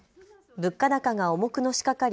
物価高が重くのしかかり